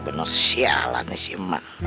bener sialan sih emang